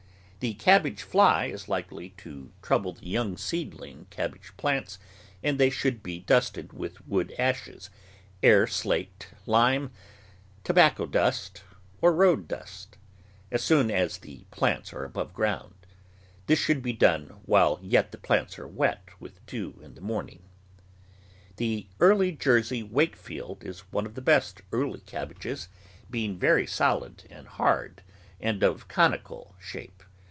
The cabbage fly is likely to trou ble the young seedling cabbage plants, and they should be dusted with wood ashes, air slacked lime, tobacco dust, or road dust, as soon as the plants are above ground ; this should be done while yet the plants are wet with dew in the morning. The Early Jersey Wakefield is one of the best early cabbages, being very solid and hard and of conical shape.